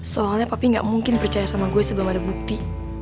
soalnya tapi gak mungkin percaya sama gue sebelum ada bukti